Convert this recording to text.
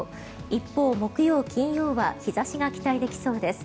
一方、木曜、金曜は日差しが期待できそうです。